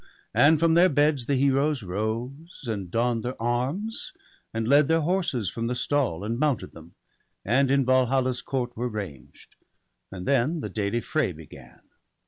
And from their beds the Heroes rose, and donn'd Their arms, and led their horses from the stall, And mounted them, and in Valhalla's court Were ranged ; and then the daily fray began.